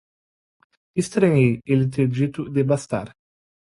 Estranhei ele ter dito “desbastar”.